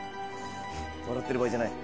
笑ってる場合じゃない。